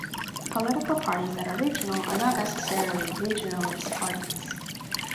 Political parties that are "regional" are not necessarily "regionalist" parties.